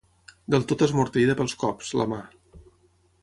Del tot esmorteïda pels cops, la mà.